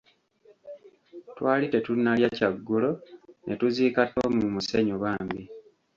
Twali tetunnalya kyaggulo ne tuziika Tom mu musenyu, bambi!